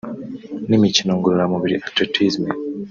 n’imikino ngororamubiri (Athletisme)